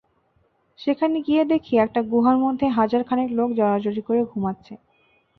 সেখানে গিয়ে দেখি, একটা গুহার মধ্যে হাজার খানেক লোক জড়াজড়ি করে ঘুমাচ্ছে।